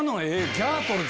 『ギャートルズ』